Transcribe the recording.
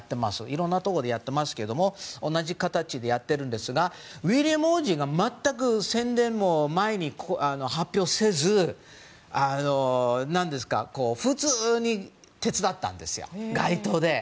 いろいろなところでやってますけど同じ形でやってるんですがウィリアム王子が全く宣伝もせず事前に発表もせず普通に手伝ったんですよ街頭で。